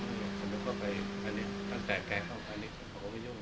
คนที่เข้าไปก็ไปกันอันนี้ตอนแกเข้ามาอันนี้ก็โกยังไม่ยุ่ง